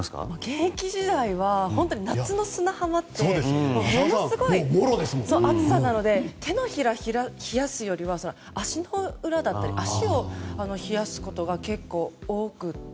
現役時代は夏の砂浜ってものすごい暑さなので手のひらを冷やすよりは足の裏だったり足を冷やすことが結構多くて。